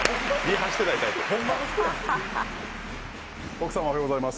奥様、おはようございます。